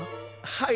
はい。